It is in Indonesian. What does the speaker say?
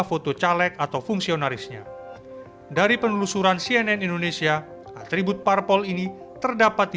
foto caleg atau fungsionarisnya dari penelusuran cnn indonesia atribut parpol ini terdapat di